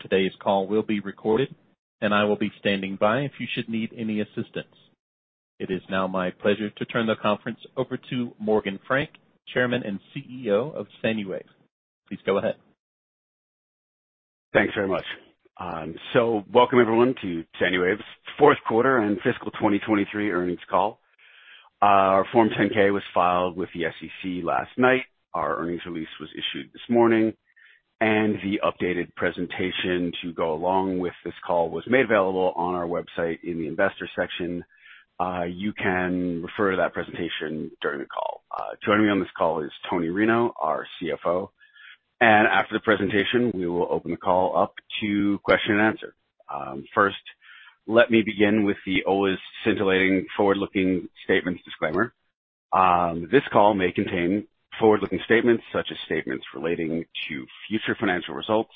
Today's call will be recorded, and I will be standing by if you should need any assistance. It is now my pleasure to turn the conference over to Morgan Frank, Chairman and CEO of SANUWAVE. Please go ahead. Thanks very much. Welcome everyone to SANUWAVE's Fourth Quarter and Fiscal 2023 Earnings Call. Our Form 10-K was filed with the SEC last night. Our earnings release was issued this morning, and the updated presentation to go along with this call was made available on our website in the investor section. You can refer to that presentation during the call. Joining me on this call is Toni Rinow, our CFO, and after the presentation, we will open the call up to question and answer. First, let me begin with the always scintillating forward-looking statements disclaimer. This call may contain forward-looking statements, such as statements relating to future financial results,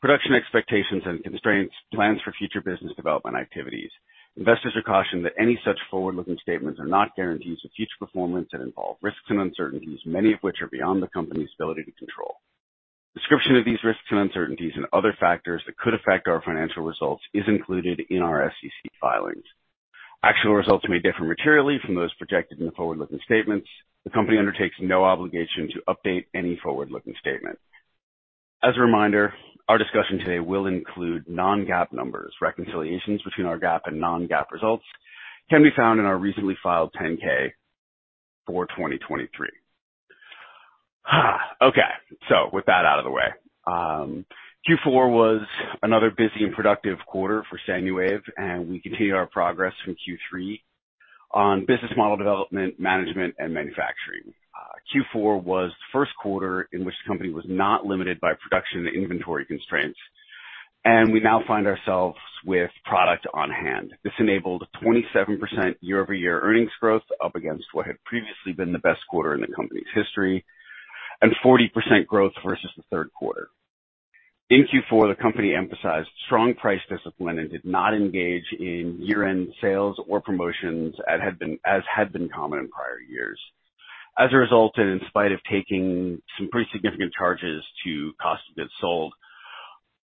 production expectations and constraints, plans for future business development activities. Investors are cautioned that any such forward-looking statements are not guarantees of future performance and involve risks and uncertainties, many of which are beyond the company's ability to control. Description of these risks and uncertainties and other factors that could affect our financial results is included in our SEC filings. Actual results may differ materially from those projected in the forward-looking statements. The company undertakes no obligation to update any forward-looking statement. As a reminder, our discussion today will include non-GAAP numbers. Reconciliations between our GAAP and non-GAAP results can be found in our recently filed 10-K for 2023. Okay, so with that out of the way, Q4 was another busy and productive quarter for SANUWAVE, and we continued our progress from Q3 on business model development, management, and manufacturing. Q4 was the first quarter in which the company was not limited by production and inventory constraints, and we now find ourselves with product on hand. This enabled 27% year-over-year earnings growth, up against what had previously been the best quarter in the company's history, and 40% growth versus the third quarter. In Q4, the company emphasized strong price discipline and did not engage in year-end sales or promotions, as had been, as had been common in prior years. As a result, and in spite of taking some pretty significant charges to cost of goods sold,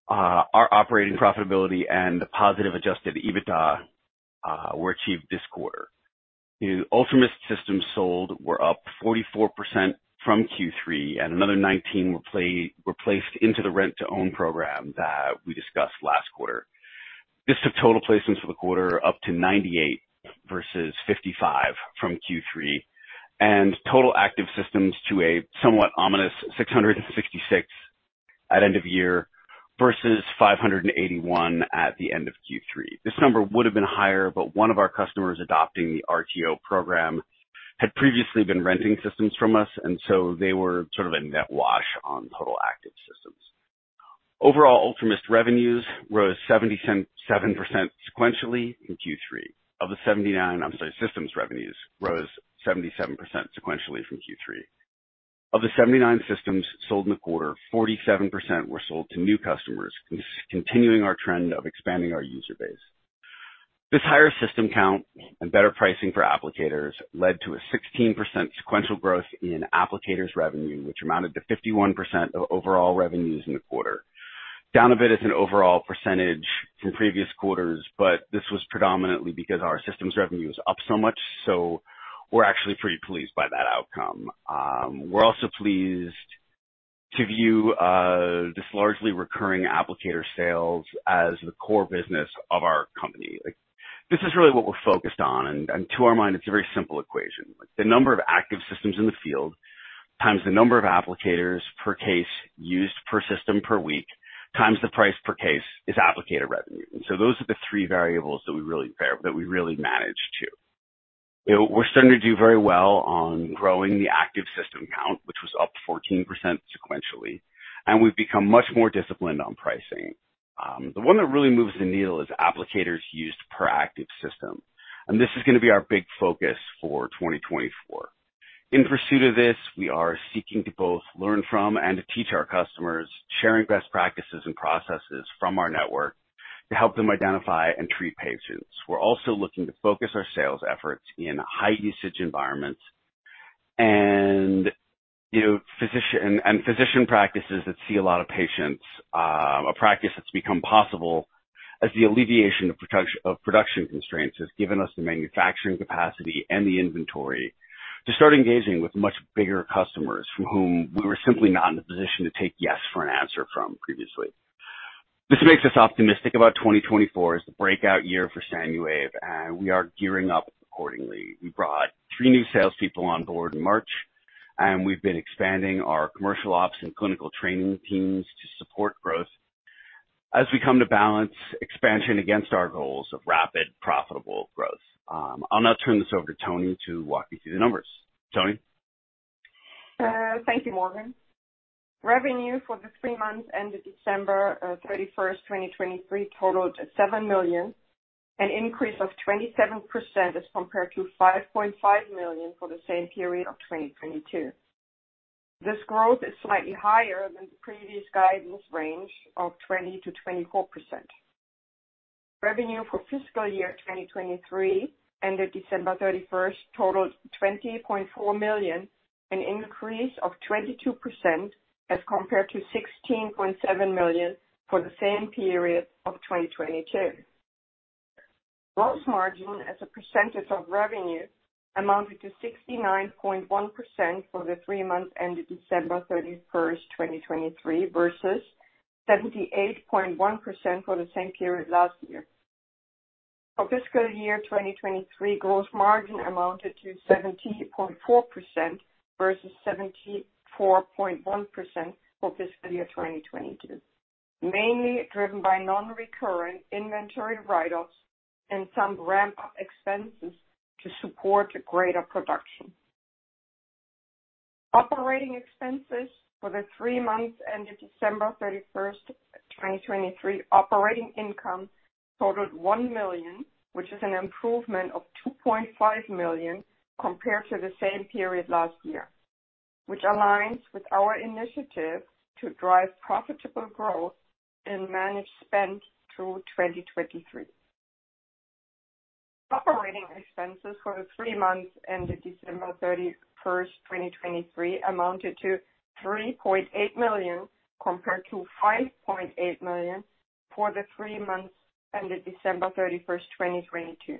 our operating profitability and the positive adjusted EBITDA were achieved this quarter. The UltraMIST systems sold were up 44% from Q3, and another 19 were placed into the rent-to-own program that we discussed last quarter. This took total placements for the quarter up to 98 versus 55 from Q3, and total active systems to a somewhat ominous 666 at end of year versus 581 at the end of Q3. This number would have been higher, but one of our customers adopting the RTO program had previously been renting systems from us, and so they were sort of a net wash on total active systems. Overall, UltraMIST revenues rose 77% sequentially in Q3. Of the 79 - I'm sorry, systems revenues rose 77% sequentially from Q3. Of the 79 systems sold in the quarter, 47% were sold to new customers, continuing our trend of expanding our user base. This higher system count and better pricing for applicators led to a 16% sequential growth in applicators revenue, which amounted to 51% of overall revenues in the quarter. Down a bit as an overall percentage from previous quarters, but this was predominantly because our systems revenue is up so much, so we're actually pretty pleased by that outcome. We're also pleased to view this largely recurring applicator sales as the core business of our company. Like, this is really what we're focused on, and, and to our mind, it's a very simple equation. The number of active systems in the field, times the number of applicators per case used per system per week, times the price per case is applicator revenue. And so those are the three variables that we really manage to. You know, we're starting to do very well on growing the active system count, which was up 14% sequentially, and we've become much more disciplined on pricing. The one that really moves the needle is applicators used per active system, and this is going to be our big focus for 2024. In pursuit of this, we are seeking to both learn from and teach our customers, sharing best practices and processes from our network to help them identify and treat patients. We're also looking to focus our sales efforts in high usage environments and, you know, physician practices that see a lot of patients. A practice that's become possible as the alleviation of production constraints has given us the manufacturing capacity and the inventory to start engaging with much bigger customers from whom we were simply not in a position to take yes for an answer from previously. This makes us optimistic about 2024 as the breakout year for SANUWAVE, and we are gearing up accordingly. We brought three new salespeople on board in March, and we've been expanding our commercial ops and clinical training teams to support growth as we come to balance expansion against our goals of rapid, profitable growth. I'll now turn this over to Toni to walk you through the numbers. Toni? Thank you, Morgan. Revenue for the three months ended December 31st, 2023, totaled $7 million, an increase of 27% as compared to $5.5 million for the same period of 2022. This growth is slightly higher than the previous guidance range of 20%-24%. Revenue for fiscal year 2023, ended December 31st, totaled $20.4 million, an increase of 22% as compared to $16.7 million for the same period of 2022. Gross margin as a percentage of revenue amounted to 69.1% for the three months ended December 31st, 2023, versus 78.1% for the same period last year. For fiscal year 2023, gross margin amounted to 70.4% versus 74.1% for fiscal year 2022, mainly driven by non-recurring inventory write-offs and some ramp-up expenses to support greater production. Operating expenses for the three months ended December 31st, 2023, operating income totaled $1 million, which is an improvement of $2.5 million compared to the same period last year, which aligns with our initiative to drive profitable growth and manage spend through 2023. Operating expenses for the three months ended December 31st, 2023, amounted to $3.8 million, compared to $5.8 million for the three months ended December 31st, 2022.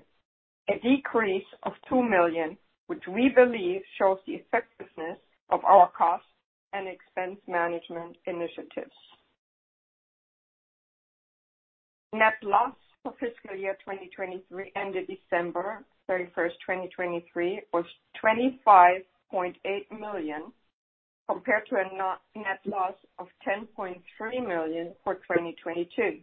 A decrease of $2 million, which we believe shows the effectiveness of our cost and expense management initiatives. Net loss for fiscal year 2023, ended December 31st, 2023, was $25.8 million, compared to a net loss of $10.3 million for 2022.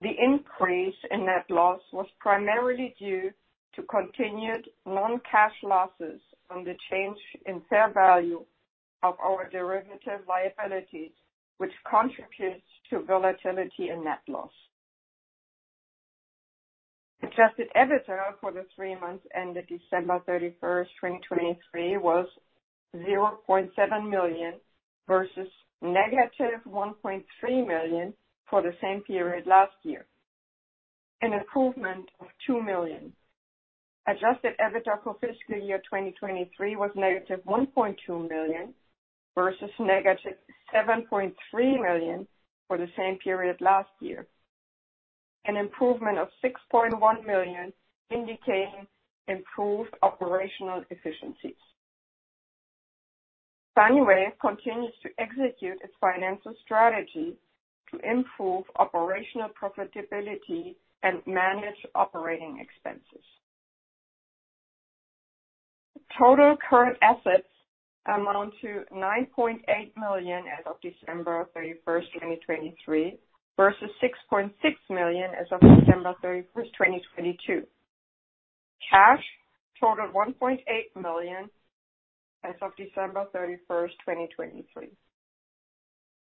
The increase in net loss was primarily due to continued non-cash losses on the change in fair value of our derivative liabilities, which contributes to volatility and net loss. Adjusted EBITDA for the three months ended December 31st, 2023, was $0.7 million versus -$1.3 million for the same period last year, an improvement of $2 million. Adjusted EBITDA for fiscal year 2023 was -$1.2 million, versus -$7.3 million for the same period last year. An improvement of $6.1 million, indicating improved operational efficiencies. SANUWAVE continues to execute its financial strategy to improve operational profitability and manage operating expenses. Total current assets amount to $9.8 million as of December 31st, 2023, versus $6.6 million as of December 31, 2022. Cash totaled $1.8 million as of December 31st, 2023.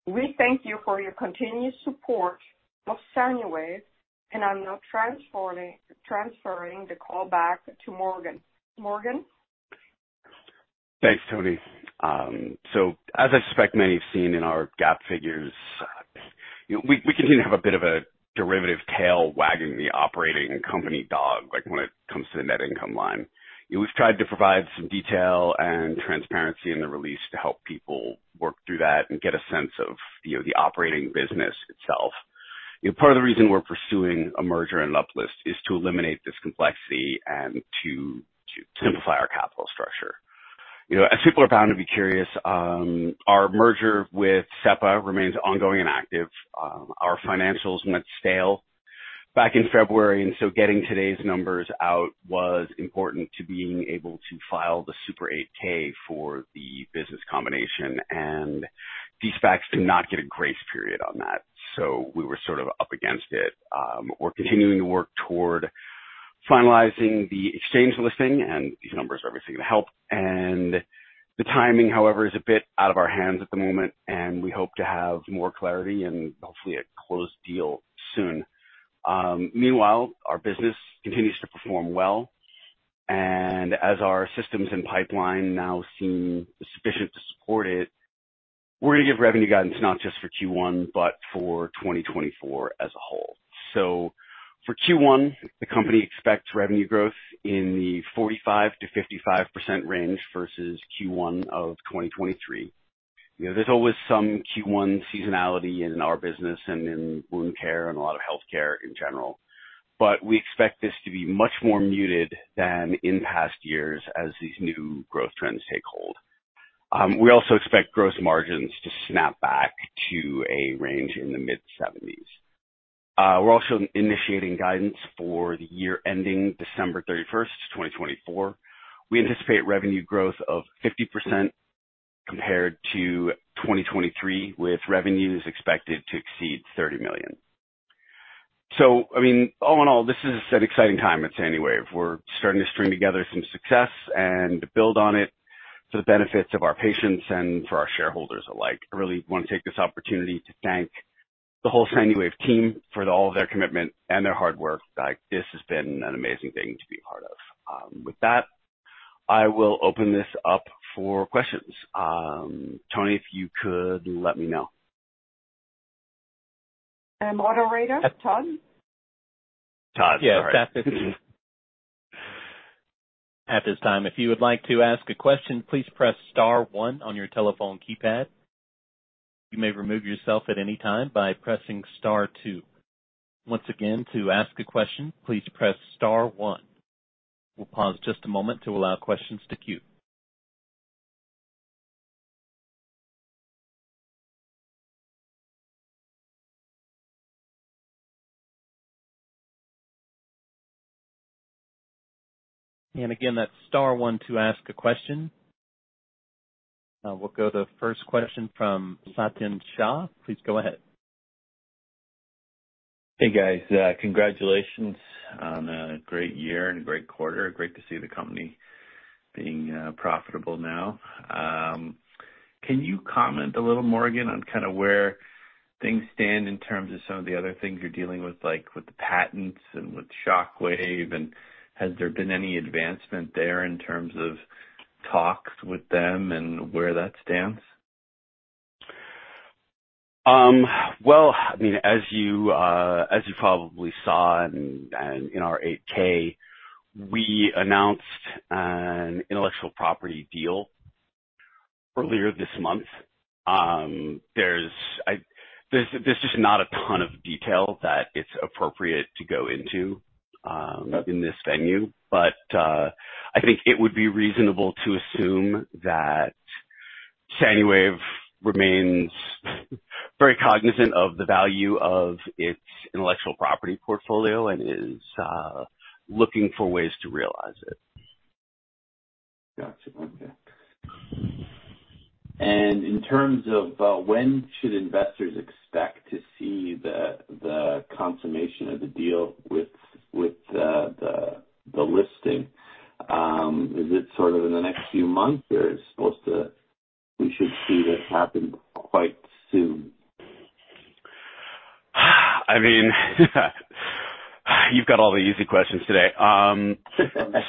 We thank you for your continued support of SANUWAVE, and I'm now transferring the call back to Morgan. Morgan? Thanks, Toni. So as I suspect may have seen in our GAAP figures, you know, we continue to have a bit of a derivative tail wagging the operating company dog, like, when it comes to the net income line. You know, we've tried to provide some detail and transparency in the release to help people work through that and get a sense of, you know, the operating business itself. You know, part of the reason we're pursuing a merger and uplist is to eliminate this complexity and to simplify our capital structure. You know, as people are bound to be curious, our merger with SEPA remains ongoing and active. Our financials went stale back in February, and so getting today's numbers out was important to being able to file the Super 8-K for the business combination, and de-SPACs do not get a grace period on that. So we were sort of up against it. We're continuing to work toward finalizing the exchange listing, and these numbers are obviously going to help. And the timing, however, is a bit out of our hands at the moment, and we hope to have more clarity and hopefully a closed deal soon. Meanwhile, our business continues to perform well, and as our systems and pipeline now seem sufficient to support it, we're going to give revenue guidance not just for Q1, but for 2024 as a whole. So for Q1, the company expects revenue growth in the 45%-55% range versus Q1 of 2023. You know, there's always some Q1 seasonality in our business and in wound care and a lot of healthcare in general, but we expect this to be much more muted than in past years as these new growth trends take hold. We also expect gross margins to snap back to a range in the mid-seventies. We're also initiating guidance for the year ending December 31st, 2024. We anticipate revenue growth of 50% compared to 2023, with revenues expected to exceed $30 million. So, I mean, all in all, this is an exciting time at SANUWAVE. We're starting to string together some success and build on it for the benefits of our patients and for our shareholders alike. I really want to take this opportunity to thank the whole SANUWAVE team for all of their commitment and their hard work. Like, this has been an amazing thing to be a part of. I will open this up for questions. Toni, if you could let me know. Moderator, Todd? Todd, sorry. Yes, at this time, if you would like to ask a question, please press star one on your telephone keypad. You may remove yourself at any time by pressing star two. Once again, to ask a question, please press star one. We'll pause just a moment to allow questions to queue. And again, that's star one to ask a question. We'll go to the first question from Satin Shah. Please go ahead. Hey, guys. Congratulations on a great year and a great quarter. Great to see the company being profitable now. Can you comment a little more, again, on kind of where things stand in terms of some of the other things you're dealing with, like, with the patents and with Shockwave? And has there been any advancement there in terms of talks with them and where that stands? Well, I mean, as you probably saw in our 8-K, we announced an intellectual property deal earlier this month. There's just not a ton of detail that it's appropriate to go into in this venue. But I think it would be reasonable to assume that SANUWAVE remains very cognizant of the value of its intellectual property portfolio and is looking for ways to realize it. Gotcha. Okay. And in terms of when should investors expect to see the consummation of the deal with the listing? Is it sort of in the next few months, or is supposed to—we should see this happen quite soon? I mean, you've got all the easy questions today.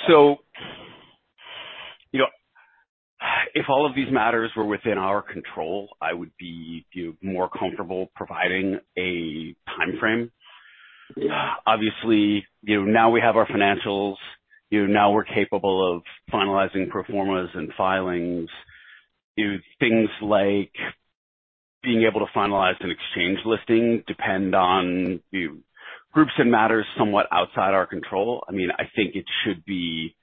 So, you know, if all of these matters were within our control, I would be, you know, more comfortable providing a timeframe. Obviously, you know, now we have our financials, you know, now we're capable of finalizing pro formas and filings. You know, things like being able to finalize an exchange listing depend on, you, groups and matters somewhat outside our control. I mean, I think it should be...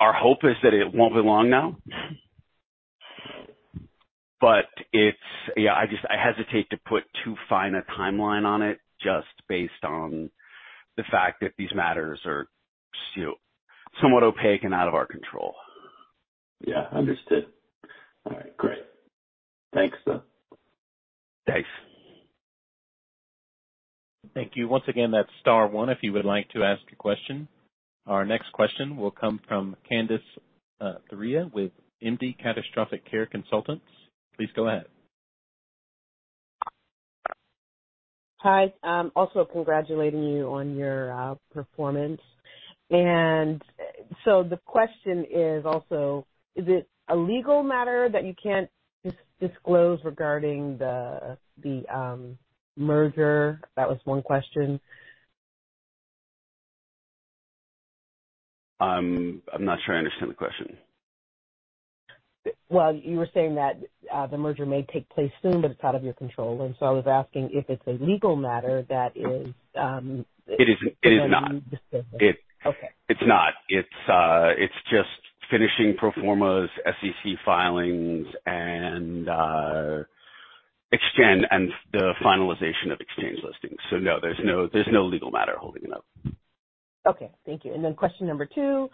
Our hope is that it won't be long now. But it's... yeah, I just, I hesitate to put too fine a timeline on it, just based on the fact that these matters are, still, somewhat opaque and out of our control. Yeah, understood. All right, great. Thanks, though. Thanks. Thank you. Once again, that's star one, if you would like to ask a question. Our next question will come from Candace Laryea with MD Catastrophic Care Consultants. Please go ahead. Hi, also congratulating you on your performance. And so the question is also: is it a legal matter that you can't disclose regarding the merger? That was one question. I'm not sure I understand the question. Well, you were saying that the merger may take place soon, but it's out of your control. And so I was asking if it's a legal matter that is, It isn't, it is not. Okay. It's not. It's, it's just finishing pro formas, SEC filings, and exchange, and the finalization of exchange listings. So no, there's no, there's no legal matter holding it up. Okay. Thank you. And then question number two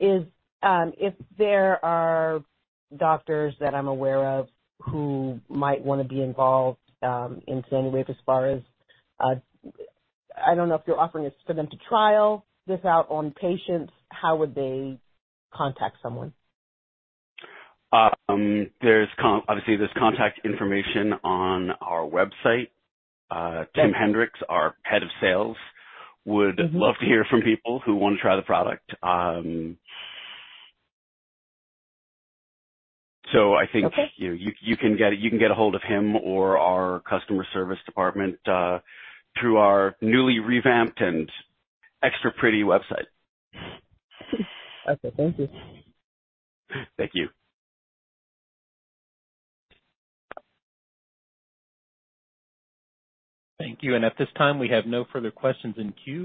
is, if there are doctors that I'm aware of who might want to be involved, in SANUWAVE, as far as, I don't know if you're offering this for them to trial this out on patients, how would they contact someone? Obviously, there's contact information on our website. Okay. Tim Hendricks, our head of sales, would love to hear from people who want to try the product. So I think- Okay. You can get a hold of him or our customer service department through our newly revamped and extra pretty website. Okay, thank you. Thank you. Thank you. At this time, we have no further questions in queue.